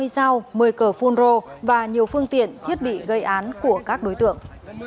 hai mươi dao một mươi cờ phun rô và nhiều phương tiện thiết bị gây án của các đối tượng